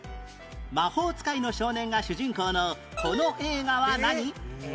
魔法使いの少年が主人公のこの映画は何？